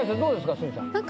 鷲見さん。